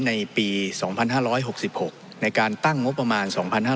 ในปี๒๕๖๖ในการตั้งงบประมาณ๒๕๕๙